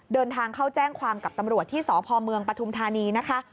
เดินทางเข้าแจ้งความกับตำรวจที่สพเมืองปฐุมธานีนะคะ